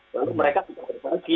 lalu mereka juga berbagi